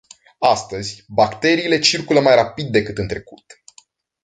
Astăzi, bacteriile circulă mai rapid decât în trecut.